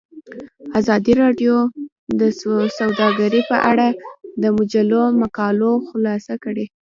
ازادي راډیو د سوداګري په اړه د مجلو مقالو خلاصه کړې.